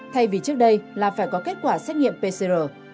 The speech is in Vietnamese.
thay vì trước đây là phải có kết quả xét nghiệm pcr